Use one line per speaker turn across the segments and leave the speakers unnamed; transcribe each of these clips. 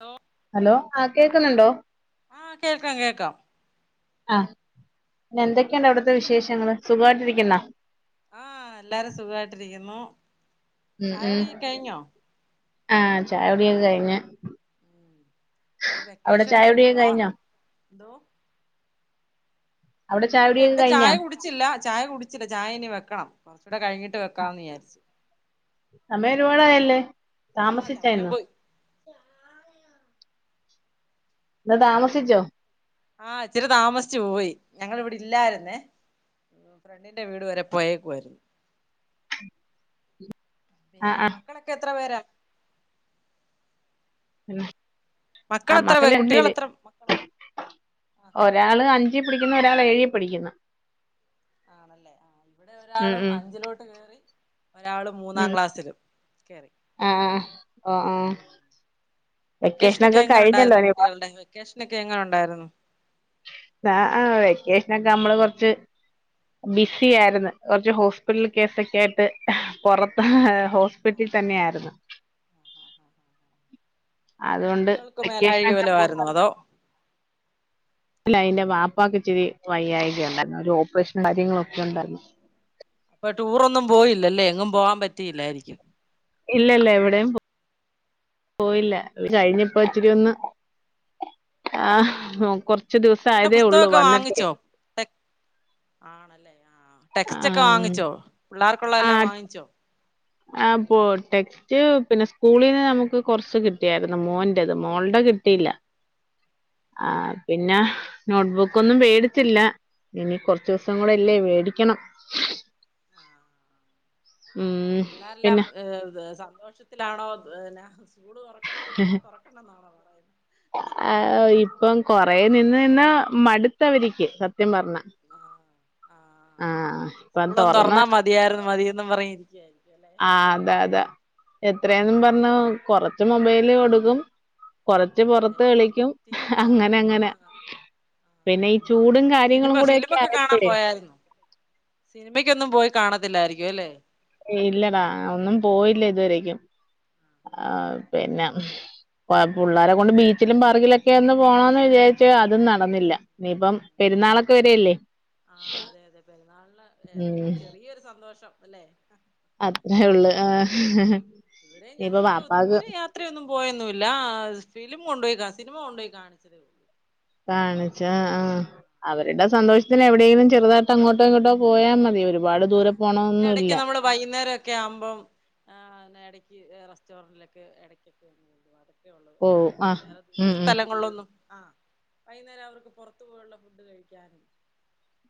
Hello
hello ആ കേക്കുന്നുണ്ടോ?
ആഹ് കേൾക്കാം കേക്കാം
അഹ്. പിന്നെന്തൊക്കെയണ്ട് അവിടത്തെ
എന്തൊക്കെയുണ്ട്
വിശേഷങ്ങള്, സുഖവായിട്ടിരിക്കുന്നോ?
ആഹ് എല്ലാരും സുഖാവായിട്ടിരിക്കുന്നു
ഉം ഉം ആഹ് ചായുടിയൊക്കെ കഴിഞ്ഞ് അവിടെ
വെക്കേഷൻ
ചായകുടിയൊക്കെ
തീരുവാ
കഴിഞ്ഞോ
എന്തോ
അവിടെ
ഇല്ല
ചായകുടിയൊക്കെ
ഇവിടെ ചായ
കഴിഞ്ഞാ
കുടിച്ചില്ല ചായ കുടിച്ചില്ല ചായ ഇനി വെക്കണം കൊറച്ചൂടെ കഴിഞ്ഞിട്ട് വെക്കാമെന്ന് വിചാരിച്ച്
സമയം ഒരുപാടായല്ലേ,
ആഹ് സമയം
താമസിച്ചായിരുന്നൊ
പോയി
ന്ന് താമസിച്ചോ?
ആഹ് ഇച്ചിരി താമസിച്ചു പോയി ഞങ്ങളിവിടെ ഇല്ലായിരുന്നേ ഫ്രണ്ടിന്റെ വീട് വരെ പോയേക്കുവായിരുന്നു
[unintelligible] ആ
പിന്നെ
ആ
മക്കളൊക്കെ എത്ര പേരാ?
പിന്നെ ആ
മക്കൾ എത്ര പേ
മക്കള് രണ്ട്
കുട്ടികൾ
പേര്
എത്ര മക്കള് ആഹ്
ഒരാള് അഞ്ചി പടിക്കുന്നു ഒരാള് ഏഴി പടിക്കുന്നു
ആണല്ലേ ആഹ് ഇവിടെ
ഉം
ഒരാളും
ഉം
അഞ്ചിലോട്ട് കേറി ഒരാള് മൂന്നാം ക്ലാസ്സിലും കേറി
ആഹ് ഓ ഓ
വെക്കേഷനൊക്കെ എങ്ങനെ
കഴിഞ്ഞല്ലോ
ഉണ്ടായിരുന്നു
ഇനിയിപ്പോ
കുട്ടികളുടെ വെക്കേഷനൊക്കെ എങ്ങനെ ഉണ്ടായിരുന്നു
ആഹ് വെക്കേഷനൊക്കെ നമ്മള് കൊറച്ച് ബിസി
ഉം
ആയിരുന്നു കുറച്ച് ഹോസ്പിറ്റൽ
ആഹ്
കേസൊക്കെ ആയിട്ട് പുറത്ത്
ഓ അത് ശരി
ഹോസ്പിറ്റൽ തന്നെ
ആണല്ലേ
ആരുന്നു
അതെന്നാ
അതുകൊണ്ട്
കുട്ടികൾക്ക് മേലാഴിക
വെക്കേഷനൊക്കെ
വല്ലോ ആയിരുന്നോ അതോ
അല്ല എന്റെ വാപ്പാക്ക്‌ ഇച്ചിരി വയ്യാഴിക ഉണ്ടാരുന്നു ഒരു ഓപ്പറേഷൻ കാര്യങ്ങളൊക്കെ ഒണ്ടായിരുന്നു
അപ്പൊ ടൂറൊന്നും പോയില്ലല്ലേ എങ്ങും പോവാൻ പറ്റിയില്ലായിരിക്കും
ഇല്ല ഇല്ല എവിടെയും പോ പോയില്ല ഇത് കഴിഞ്ഞ് ഇപ്പോ ഇച്ചിരി ഒന്ന് ആഹ് കൊറ ച്ച് ദിവസം
കുട്ടികളുടെ
ആയതേ ഒള്ളൂ
പുസ്തകമൊക്കെ
വന്നിട്ടേ
വാങ്ങിച്ചോ ടെക് ആണല്ലേ ആ ടെക്സ്റ്റൊക്കെ
ആം,
വാങ്ങിച്ചോ പിള്ളേർക്കുള്ളതെല്ലാം വാങ്ങിച്ചോ
ആഹ് ബൂ ടെ സ്റ്റ് പിന്നെ സ്കൂളീന്ന് നമ്മുക്ക് കൊറച്ച് കിട്ടിയാരുന്നു മോന്റേത് മോളുടെ കിട്ടിയില്ല ആഹ് പിന്നെ നോട്ട് ബുക്കൊന്നും മേടിച്ചില്ല ഇനി കൊറച്ച് ദിവസം കൂടെ
ആഹ്
ഇല്ലേ മേടിക്കണം
ആഹ്
ഉം
പിള്ളേരെല്ലാം
പിന്നെ
ഏ സന്തോഷ ത്തിലാണോ എന്നാ സ്കൂള് തൊറക്കണോന്നാണോ തൊറക്കണ്ടന്നാണോ പറയുന്നേ
ഇപ്പൊ കൊറെ നിന്ന് നിന്ന് മടുത്ത് അവരിക്ക് സത്യം പറഞ്ഞാ
ആഹ്
ആഹ് ഇപ്പം
സ്കൂളൊന്ന്
തൊറന്നാ
തുറന്നാ മതിയായിരുന്നു മതീന്ന് പറയാൻ ഇരിക്കായിരുന്നു
ആഹ് അതാ അതാ എത്രയാന്നും പറഞ്ഞാ കൊറച്ച് മൊബൈല് കൊടുക്കും കൊറച്ച്
അതെ
പുറത്ത് കളിക്കും
ടി വി
അങ്ങനെ
കാണും
അങ്ങനെ
ആഹ്
പിന്നെ ഈ
ആഹ്
ചൂടി
സിനിമ
കാര്യങ്ങളും കൂടെ ഒക്കെ ആയപ്പഴേ
സിനിമയ്ക്കൊന്നും പോയി കാണത്തില്ലായിരിക്കും അല്ലേ
ഇല്ലടാ ഒന്നും പോയില്ല ഇതുവരെക്കും ആ പിന്നെ പാ പുള്ളാരെ കൊണ്ട് ബീച്ചിലും പാർക്കിലൊക്കെ ഒന്ന് പോണോന്ന് വിചാരിച്ചു അതും നടന്നില്ല ഇനി ഇപ്പം പെരുന്നാളൊക്കെ വെരുവല്ലേ
ആഹ് അതെ അതെ പെരുന്നാളിന്
ഉം
ഏ ചെറിയൊരു സന്തോഷം അല്ലേ
അത്രേയൊള്ളു ആഹ്
ഇവിടെയും ഞങ്ങള് ദൂരെ യാ ത്രയൊന്നും പോയൊന്നുമില്ല ഫിലിം കൊണ്ടുപോയി കാ സിനിമ കൊണ്ടുപോയി കാണിച്ചതേ ഉള്ളു
കാണിച്ച് ആഹ് ആഹ് അവരുടെ സന്തോഷത്തിന് എവിടെയെങ്കിലും ചെറുതായിട്ട് അങ്ങോട്ടോ ഇങ്ങോട്ടോ പോയാൽ മതി ഒരു ഒരുപാട് ദൂരെ
ആ പിന്നെ
പോണോന്നൊന്നുവില്ല
ഇടക്ക് നമ്മള് വൈകുന്നേരം ഒക്കെ ആവുമ്പം ആ എടക്ക് റസ്റ്റോറന്റിലൊക്കെ ഇടക്കൊക്കെ ഒന്ന് പോകും അതൊക്കെയാ ഉള്ളത്
പോവും
അല്ലാ
ആ
വേറെ
ഉം
ദൂരെ
ഉം
സ്ഥലങ്ങളിലൊന്നും ആഹ് വൈകുന്നേരം അവർക്ക് പൊറത്ത് പോയുള്ള ഫുഡ് കഴിക്കാനും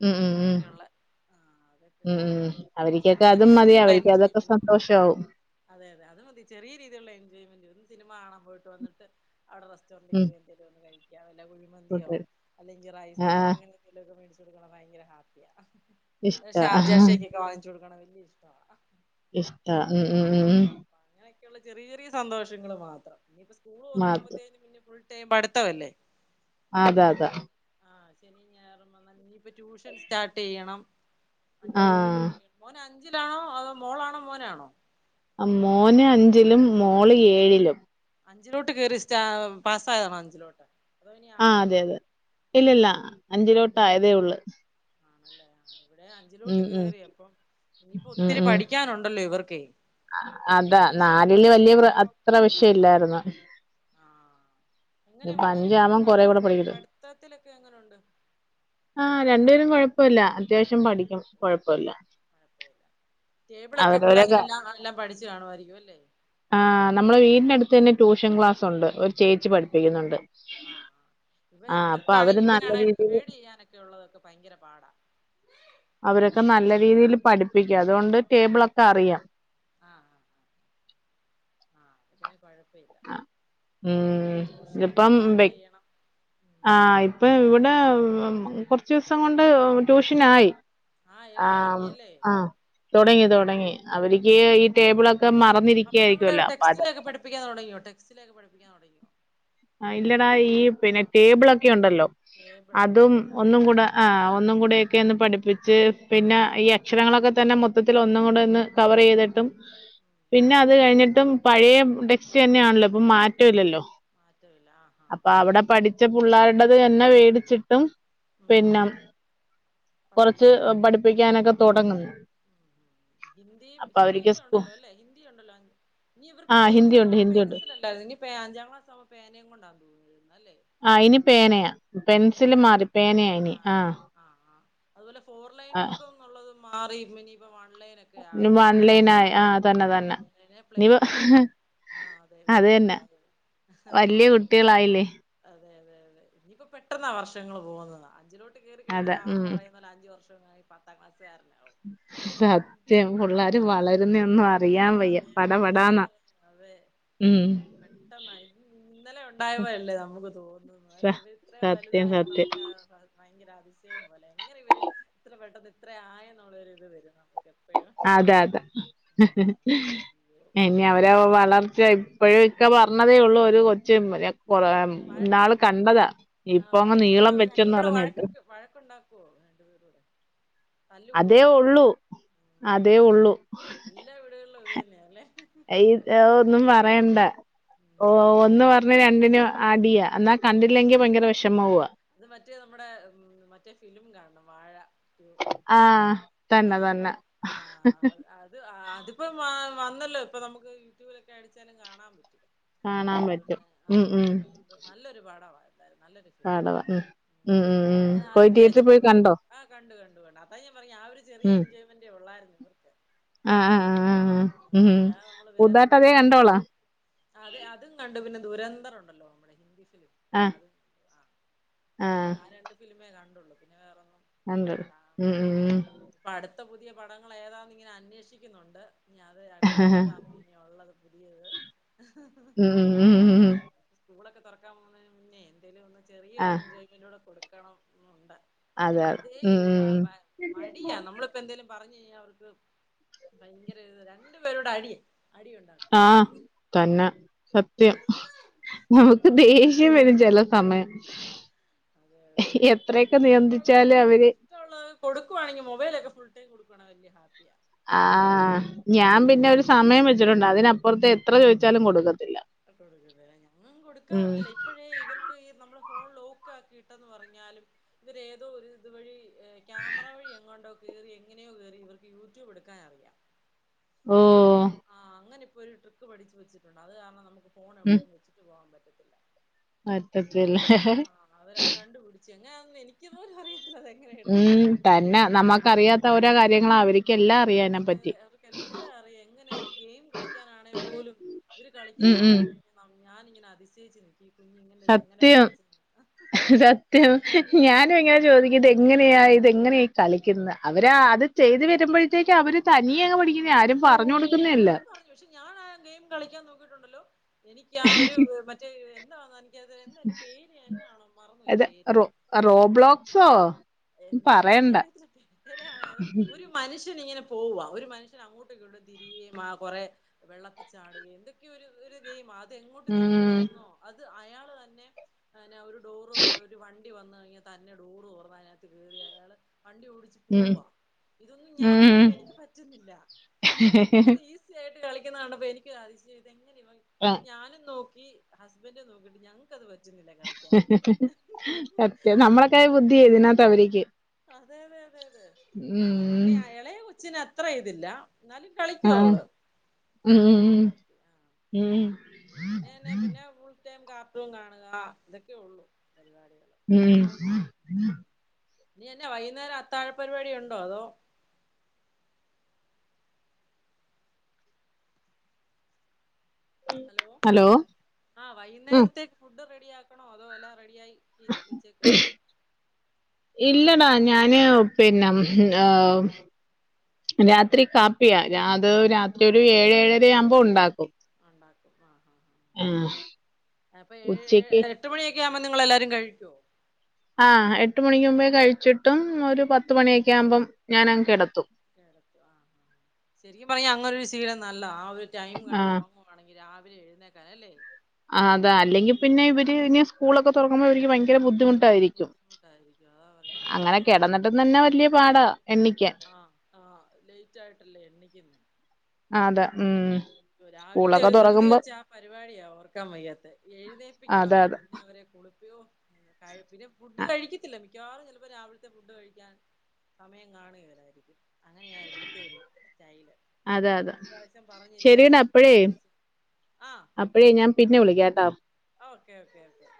ഉം ഉം ഉം
അങ്ങനൊക്കെയുള്ളെ ആഹ്
ഉം അവരിക്കൊക്കെ അതും മതി
രീതിയിലുള്ള
അവർക്ക് അതൊക്കെ
എൻജോയ്മെന്റ് മാത്രം
സന്തോഷാവും
അതെ അതെ അത് മതി ചെറിയ രീതിയിള്ള എൻജോയ്മെന്റ് ഒന്ന് സിനിമ കാണാൻ പോയിട്ട് വന്നിട്ട് അവിടെ റെസ്റ്റോറെന്റിൽ
ഉം
കേറി എന്തേലും ഒന്ന് കഴിക്കുക വല്ല കുഴിമന്തിയോ
കൂട്ടുകാര്
അല്ലെങ്കിൽ
ആ
റൈസോ അങ്ങ എന്തേലുമൊക്കെ മേടിച്ച് കൊടുക്കണ ഭയങ്കര ഹാപ്പിയാ
ഇഷ്
ചാർജാ ഷേക്കൊക്കെ വാങ്ങിച്ച് കൊടുക്കണെ വല്ല്യ ഇഷ്ടവാ
ഇഷ്ടവാ ഉം ഉം ഉം
അങ്ങനൊക്കെയുള്ള ചെറിയ, ചെറിയ സന്തോങ്ങങ്ങള് മാത്രം ഇനിയിപ്പോ സ്കൂള്ൾ
മാത്രം
തൊർക്കുമ്പഴ്‌ത്തേന് പിന്നെ ഫുള്ള് ടൈം പഠിത്തവല്ലെ
അതെ അതെ
അവർക്കങ്ങനെ ആഹ് ശനിം ഞായറും വന്നാൽ ഇനിയിപ്പോ ട്യൂഷൻ സ്റ്റാർട്ട് ചെയ്യണം
ആ
അഞ്ചിലോട്ട് ക മോന് അഞ്ചിലാണോ അതോ മോളാണോ മോനാണോ
ആ മോന് അഞ്ചിലും മോള് ഏഴിലും.
അഞ്ചിലോട്ട് കേറി സ്റ്റാ പാസായതാണോ അഞ്ചിലോട്ട് അതോ ഇനി
ആഹ് അതെ,
ആറിലോട്ടാണോ
അതെ ഇല്ലല്ല
ആഹ്
അഞ്ചിലോട്ട് ആയതേ ഒള്ളൂ
അല്ലേ ഇവടെ അഞ്ചിലോട്ട് കേറി അപ്പം ഇനിയിപ്പോ
ഉം
ഒത്തിരി
ഉം
പഠിക്കാനുണ്ടല്ലോ ഇവർക്കെയ്
അതാ നാലില് വല്ല്യാ അത്ര വിഷയം ഇല്ലായിരുന്നു.
എങ്ങനെ മോന് എങ്ങനെണ്ട്
അഞ്ചാവാൻ കൊറേ കൂടെ
പഠി
പഠിക്കണം
പഠിത്തത്തിലൊക്കെ എങ്ങനൊണ്ട് മോന് പഠിക്കാൻ
ക്കൊഴപ്പല്ല അത്യാവശ്യം പഠിക്കും ക്കൊഴപ്പൊല്ല
ടേബിളൊക്ക പിള്ളേര്
കാ
എല്ലാം എല്ലാം പഠിച്ചു കാണുമായിരിക്കും അല്ലേ
ആഹ് നമ്മളെ വീടിന് അടുത്ത് തന്നെ ട്യൂഷൻ ക്ലാസ് ഉണ്ട് ഒരു ചേച്ചി
ആഹ്
പഠി പിക്ക്ന്നുണ്ട്
ആഹ് ആഹ് ഇവ
ആഹ് അപ്പൊ അവര് നല്ല രീതിയില്
മറ്റു ഉള്ളതൊക്കെ ഭയങ്കര പാടാ
അവരൊക്കെ നല്ല രീതിയിൽ പഠിപ്പിക്കും അതുകൊണ്ട് ടേബിളൊക്കെ അറിയാം
ആഹ് ആഹ് അങ്ങനെ കൊഴപ്പമില്ല
ഉം
ട്യൂഷനൊക്കെ സ്റ്റാർട്ട് ചെയ്യണം ഉം
ആഹ് ഇപ്പം ഇവിടെ ക്കൊറച്ചോസം കൊണ്ട് ട്യൂഷനായി ആഹ് അഹ് തുടങ്ങി
ആഹ്
തുടങ്ങി അവരിക്ക് ഈ
ആഹ്
ടേബിൾ ക്കെ
അപ്പൊ നമ്മുടെ
മറന്നിരിക്കയായിരിക്കല്ലോ അപ്പോ അത്
ടെക്സ്റ്റിലൊക്കെ പഠിപ്പിക്കാൻ തുടങ്ങിയോ ടെസ്റ്റ് ലൊക്കെ പഠിപ്പിക്കാൻ തുടങ്ങിയോ
ഇല്ലടാ ഈ പിന്നെ
ഇല്ല
ടേബിളൊക്കെ ഉണ്ടല്ലോ
ടേബിളൊക്കെ
അതും
അല്ലേ ആഹ്
ഒന്നും കൂടെ ആഹ് ഒന്നും കൂടെയൊക്കെ ഒന്ന് പഠിപ്പിച്ച് പിന്നെ ഈ അക്ഷരങ്ങളൊക്കെ തന്നെ മൊത്തത്തിൽ ഒന്നും കൂടെ ഒന്ന് കവർ ചെയ്തിട്ടും പിന്നെ അത് കഴിഞ്ഞിട്ടും പഴയെ ടെക്സ്റ്റ് തന്നെയാണല്ലോ ഇപ്പൊ മാറ്റം ഇല്ലല്ലോ
മാറ്റം ഇല്ല ആഹ് ആഹ്
അപ്പൊ
ആഹ്
അവിടെ പഠിച്ച പുള്ളാരുടേത് എന്നെ മേടിച്ചിട്ടും
ഉം
പിന്ന കൊറച്ച്
പഠിപ്പിക്കും അല്ലേ
പഠിപ്പിക്കാനൊക്കെ തുടങ്ങുന്നു
ഹിന്ദിയും
അപ്പൊ അവർക്ക്
ഹിന്ദിയൊക്കെ
സ്കൂ
ഉണ്ടല്ലോ അല്ലേ ഹിന്ദി ഉണ്ടല്ലോ ഇനി ഇവർക്ക്
ആ
ഇത്ര
ഹിന്ദിയുണ്ട്
നാള്
ഹിന്ദിയുണ്ട്
പെൻസില് ഇനി അഞ്ചാം ക്ലാസ് ആകുമ്പോ പേനയും കൊണ്ടാ തോന്നുന്നു അല്ലേ
ആഹ് ഇനി പേനയാ പെൻസില് മാറി പേനയാ ഇനി
മാറി
ആഹ് ആഹ്
ന്നുള്ളത് മാറി ഇനിയിപ്പോ വൺലൈൻ ഒക്കെ ആവും
ഓൺലൈൻ ആയി ആ തന്നെ തന്നെ ഇനി
പ്ലെൻ ബുക്ക് ആഹ് അതെ
അത്
വല്യ
തന്നെ
കുട്ടിആയതോണ്ട്
വല്യ കുട്ടികളായില്ലേ
അതെ അതെ അതെ ഇനിയിപ്പോ പെട്ടെന്നാ വർഷങ്ങൾ പോകുന്നത് അഞ്ചിലോട്ട് കയറി കഴിഞ്ഞ
അതെ
താന്ന്
ഉം
പറയുന്നോല അഞ്ചു വർഷം ഈ പത്താം ക്ലാസ് കാരനാകും
[unintelligible] സത്യം പിള്ളാര്
അയ്യോ
വളരുന്ന ഒന്നും
അ
അറിയാൻ വയ്യ പട
അറിയാം
പടാന്നാ
പെട്ടെന്ന് ഇന്നലെ ഉണ്ടായപോലല്ലേ നമുക്ക് തോന്ന്നെ
സ
അല്ലേ ഇവർ ഇത്ര
സത്യം
വലുതായ
സത്യം
നമുക്ക് ഭയങ്കര അതിശയം പോലെ എങ്ങനെ ഇവര് ഇത്ര പെട്ടെന്ന് ഇത്ര ആയെന്നുള്ളൊരു ഇത് വരും നമുക്ക് എപ്പഴും
അതെ അതെ
അയ്യോ
ഇനി അവര വളർ ഇപ്പോഴും ഇക്ക പറഞ്ഞതേ ഉള്ളു ഒരു കൊച്ച് കൊ
വഴ
ന്നാള് കണ്ടതാ ഇപ്പോങ്ങ് നീളം വെച്ചന്ന് പറഞ്ഞേട്ട്
വഴക്കുണ്ടാക്കോ രണ്ടുപേരൂടെ
അതേ ഒള്ളു അതേ ഒള്ളു
എല്ലാ വീട്കൾലും അത് തന്ന്യാല്ലേ
ഐൻ എഹ് ഒന്നും പറയണ്ട ഓഹ്
ഉം
ഒന്ന് പറഞ്ഞ രണ്ടിന് അടിയാ അന്നാ കണ്ടില്ലെങ്കി ഭയങ്കര വെഷമവ്വ
ഇത് മറ്റേ നമ്മുടെ ഉം മറ്റേ ഫിലിമും കാൺണം വാഴ ടു
ആഹ് തന്നെ തന്നെ
ത് ആഹ് അത്പ്പോ വാ വന്നല്ലോ ഇപ്പൊ നമുക്ക് യൂറ്റൂബിലൊക്കെ അടിച്ചാലും കാണാപറ്റും
കാണാമ്പറ്റും ഉം ഉം
ത് നല്ലൊരു പാടവാ എന്തായാലും നല്ലൊര്
പടവാ ഉം ഉം ഉം പോയി
ആദ്യം
തിയേറ്റ്റി
വിചാരിച്ചു
പോയി
പോ
കണ്ടോ
ആഹ് കണ്ട് കണ്ടു കണ്ടു അതാ ഞാപറഞ്ഞേ ആഹ് ഒരു ചെറിയ
ഉം
എൻജോയ്മെൻ്റെ ഉള്ളാര്ന്നു ഇവർക്ക്
ആഹ് ആഹ് ഉം
അല്ലാതെ നമ്മള് വേറെ
പുതാട്ടതേ
ദൂരെ ദൂരെ
കണ്ടെള്ളാ
അതെ അതും കണ്ടു പിന്നെ ദുരന്തറുണ്ടല്ലോ നമ്മുടെ ഹിന്ദി ഫിലിം
ആഹ്
അത് ആ അത് ആഹ് രണ്ട് ഫിലിമേ കണ്ടൊള്ളൂ പിന്നെ വേറൊന്നും
കണ്ടു ഉം ഉം ഉം
പ്പടുത്ത പുതിയ പടങ്ങൾ ഏതാന്ന്ങ്ങ്യനെ അന്വേഷിക്ക്യുന്നുണ്ട് ഞ്യാത് അടുത്ത ഏതാ
ഉം
ഞ്യുള്ളത് പുത്യേത്
ഉം ഉം
സ്കൂളൊക്കെ തൊറക്കാം പോവുന്നതിന് മുന്നേ എന്തേലൊന്ന് ചെറിയൊരു
ആഹ്
എൻ ജോയ്മെൻ്റൂടെ കൊട്ക്കണം ന്നുണ്ട്
അതെ അതെ
അത് ഈ
ഉം
വ
ഉം
മ മടിയ നമ്മ പ്പെന്തേലും പറഞ്ഞഴിഞ്ഞാവർക്ക് ഭയങ്കര രണ്ട് പേരൂടെ അടി അടിയുണ്ടാക്കും
ആഹ് തന്ന സത്യം നമു ദേഷ്യം വരും ചെല സമയം
അതെ അതെ
എത്രയെക്കെ നിയന്ത്രിച്ചാലു അവര്
ചൊള്ളോ കൊടുക്കുവാണെങ്കി മൊബൈലക്കെ ഫുൾ ടൈം കൊടുക്കണ വല്യയ ഹാപ്യാ
ആഹ് ഞ്യാൻ പിന്നെ ഒരു സമയം വെച്ചിട്ടുണ്ട് അതിനപ്പുറത്ത് എത്ര ചോയിച്ചാലും കൊടുക്കത്തില്ല
പ്പ കൊടുക്കത്തില്ല. ഞങ്ങും
ഉം
കൊടുക്കാറില്ലേ ഇ ഇപ്പഴേ ഇവർക്ക് ഈ നമ്മുടെ ഫോൺ ലോക്കാക്കിയിട്ടെന്ന് പറഞ്ഞാലും ഇവരേതോ ഒര് ഇത് വഴി എഹ് ക്യാമറ വഴി എങ്ങോണ്ടോ കേറി എങ്ങനയോ കേറി ഇവർക്ക് യൂറ്റൂബ്ട്ക്കാനറിയാ മ്മള് ഫോ
ഓഹ്
ആഹ് അങ്ങനെ ഇപ്പോ ഒരു ട്രിക്ക് പഠിച്ച് വച്ചിട്ടുണ്ട് അത് കാര്ണം നമുക്ക് ഫോൺ
ഉം
എവിടെയു വെച്ച് ട്ട് പോആംപറ്റത്തില്ല
പറ്റത്തില്ല
അവരത് ആഹ് അവരത് കണ്ടുപിടിച്ചു എങ്ങനാന്ന് എനിക്ക്പോലും അറിയ
ഉം തന്നെ നമ്മക്കറിയാത്ത ഓരോ കാര്യങ്ങളവര്
അതെ അതെ അതെ അവർക്കെല്ലാറിയാ എങ്ങനെ ഒരു ഗെയിം കളിക്കാനാണേ പോലും ഇവര് കളിക്ക്യുന്ന
ഉം ഉം
കണ്ട് ന്നം ഞാനിങ്ങനെ അതിശയിച്ച് നി ഇകുഞ്ഞുങ്ങെ
സത്യം സത്യം
ആഹ്
ഞാനുങ്ങനെ ചോദി ഇതെങ്ങനെയാ ഇതെങ്ങനെയീ കളിക്ക്ന്ന അവരാ അത് ചെയ്ത് വരുമ്പഴ്ത്തേക്ക് അവര് തനിയങ്ങ് പഠിക്ക്യു നീ ആരും
തനിയെ
പറഞ്ഞു കൊടുക്കുന്നേല്ല
ആരും പറഞ്ഞു പക്ഷെ ഞാൻ ആഹ് ഗെയിം കളിക്ക്യാൻ നോക്കിട്ടുണ്ടല്ലോ എനിക്ക്യാ ഒരു മറ്റേ എന്താന്ന് ക്യത് എന്തയ്ന്റെ പേര് എന്നാണോ മറന്നോയി പേര്
അഹ് റോബ്ലോക്സോ
എന്തെന്ന്
പറയണ്ട
എനിക്കറിയത്തില്ല തെ ങ്കെരെ അഹ് ഇത് ഒരു മനുഷ്യനിങ്ങനെ പോവാ ഒരു മനുഷ്യൻ അങ്ങോട്ടിങ്ങോട്ടു തിരിയേം ആ കൊറേ വെള്ളത്തി ചാ ടുകയും എന്തൊക്കെയൊരു ഒര് ഗെയിമാ ഇതെങ്ങോട്ട്
ഉം
തിരിക്കണെവെന്നോ അത് അയാൾ തന്നെ പിന്നെ ഒരു ഡോറ് ഒരു വണ്ട് ണ്ടി വന്നഴിഞ്ഞാ തന്നെ ഡോറ് തൊറ്ന്നയിനകത്ത് കേറിയയാള് വണ്ടി ഓടിച്ച്
ഉം
പോവ ഇതൊന്നും ഞാൻ
ഉം
നോക്കീട്ട് എനിക്ക് പറ്റുന്നില്ല. ഇവനിത്ര ഈ സിയായിട്ട് കളിക്കണണ്ടപ്പോ എനിക്കതിശയം. ഇതെങ്ങനിവൻ
ആ
ഞാനും നോക്കി ഹസ്‌ബൻ്റും നോക്കിട്ട് ഞങ്ങക്കത് പറ്റുന്നില്ല കളി
സത്യം
ആ
നമ്മളേക്കാൾ
ആ
ബുദ്ധിയാ ഇതിനകത്ത് അവരിക്ക്.
അതെ അതെ അതെ അതെ ആ പിന്നെ അയെളയെ കൊച്ചിനത്ര ഇതില്ല. ന്നാലും കളിക്കു
ആ
അവള്
ഉം
എളയ
ഉം
പുള്ളിക്കാരി.
ഉം
പിന്നെന്ന പിന്നെ ഫുൾ ടൈം കാർട്ടൂൺ കാണുക ഇതൊക്കെ ഒള്ളു പരിപാടികൾ.
ഉം
ഇനിയെന്ന വൈകുന്നേരത്താഴ പരിപാടി ഉണ്ടോ? അതോ ഹലോ ആഹ്
ഉം
വൈകുന്നേരത്തേക്ക് ഫുഡ് റെഡി ആക്കണോ അതോ എല്ലാ റെഡിയായി ക്കിരിക് ഉച്ചക്ക് വാണോ?
ഇല്ലടാ ഞാന് പിന്നെ ഹേം രാത്രി കാപ്പിയ രാത് രാത്രി ഒരു ഏഴ് ഏഴരയാവുമ്പോ ഉണ്ടാക്കും.
ഒണ്ടാക്കും വാ ഹ
ആഹ്
അപ്പേ ഏഏഏഎട്ട് മണിയെക്ക്യാവ്മ്പോ നിങ്ങെളെല്ലാരും കഴിക്കോ
ആഹ് എട്ട് മണിക്ക്മുമ്പേ കഴിച്ചിട്ടും ഒരു പത്ത് മണിയെക്ക്യാമ്പം ഞാനങ് കെടത്തും
കേടത്തും ആഹ് ശെരിക്കും പർഞ്ഞാ അങ്ങ്നൊരു ശീലം ന്നല്ലാ ആ ഒര് ടൈം
ആ
കണ്ടൊറ്ങ്ങും ആണെങ്കി രാവിലെ എഴുന്നേക്കാൻ അല്ലേ
ആഹ് അതാ
കുട്ടികൾക്ക്
അല്ലെങ്കി പിന്നെ ഇവര് ഇനി സ്കൂളൊക്കെ തൊറക്കുമ്പോ ഇവര്ക്ക് ഭയ്ങ്കെര ബുദ്ധിമു ട്ടായിരിക്കും
ബുദ്ധിമുട്ടായിരിക്കും അതാ പറഞ്ഞെ
അങ്ങനെ
ഇത്രയും
കെടന്നിട്ടും
രണ്ട്
തന്നെ
മാസം ഇങ്ങനെ
വല്ല്യപാടാ എണ്ണിക്യാൻ
ആഹ് ആഹ് ലേറ്റായ്ട്ടെല്ലേ എണ്ണീക്ക്ന്ന്
അതാ ഉം
രാവിലെത്തെ
സ്കൂളൊക്കെ
ഒരു ധൃതി
തുറക്കുമ്പോ
വെച്ച് ആ പരിപാടിയാ ഓർക്കാംവെയ്യാത്തെ എഴ്ന്നേപ്പിക്കണം
അതെ അതെ
പിന്നെ അവരെ കുളിപ്പ് യോ കഴി പിന്നെ ഫുഡ്ഡ്
അ-
കഴിക്കെത്തില്ല മിക്ക്യവാറും ചെൽപ്പം രാവ് ല്ത്തെ ഫുഡ് കഴിക്കാൻ സമയം കാണ്കേലായിരിക്കും അങ്ങെനെയാ ഇവിട്ത്തെ ഒരു സ്റ്റൈല്
അതെ
ഞാൻ
അതെ
ഇപ്രാവ്ശ്യം പറഞ്ഞ് രിക്കുവാ നേരത്തിന് എണിച് ആഹ്
അപ്പെഴേ ഞാൻപിന്നെ വിളിക്കാട്ടോ
ഓക്കേ ഓക്കേ ഓക്കെ